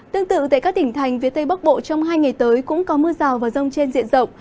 tương tự tại các tỉnh thành phía tây bắc bộ trong hai ngày tới cũng có mưa rào và rông trên diện rộng